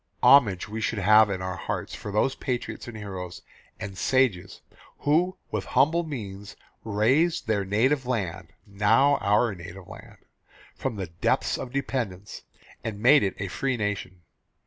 Homage we should have in our hearts for those patriots and heroes and sages who with humble means raised their native land now our native land from the depths of dependence, and made it a free nation.